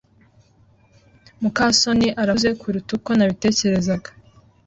muka soni arakuze kuruta uko nabitekerezaga.